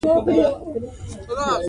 زغال د افغانانو ژوند اغېزمن کوي.